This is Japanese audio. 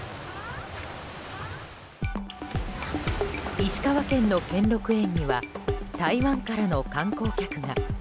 石川県の兼六園には台湾からの観光客が。